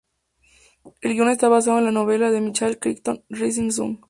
El guion está basado en la novela de Michael Crichton, "Rising Sun".